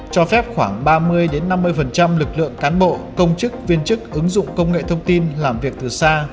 cho phép khoảng ba mươi năm mươi lực lượng cán bộ công chức viên chức ứng dụng công nghệ thông tin làm việc từ xa